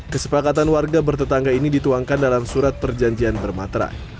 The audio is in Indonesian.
kesepakatan warga bertetangga ini dituangkan dalam surat perjanjian bermatra